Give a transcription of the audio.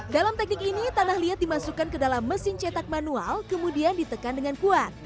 dalam teknik ini tanah liat dimasukkan ke dalam mesin cetak manual kemudian ditekan dengan kuat